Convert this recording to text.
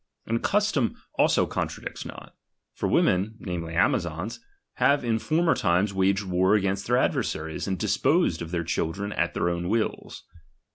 And custom also contradicts not ; for women, namely Amazons, have in former times waged war against their adversaries, and disposed of their children at their own wills.